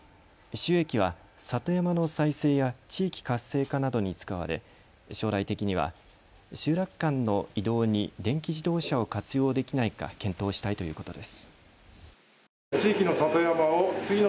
収益は里山の再生や地域活性化などに使われ将来的には集落間の移動に電気自動車を活用できないか検討したいということです。